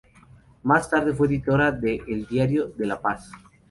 Más tarde fue editora de "El Diario de La" "Paz".